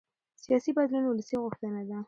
سیاسي بدلون ولسي غوښتنه ده